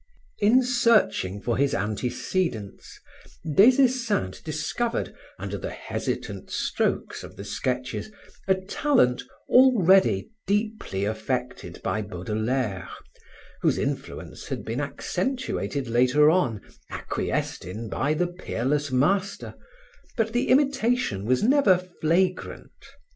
In searching for his antecedents, Des Esseintes discovered, under the hesitant strokes of the sketches, a talent already deeply affected by Baudelaire, whose influence had been accentuated later on, acquiesced in by the peerless master; but the imitation was never flagrant.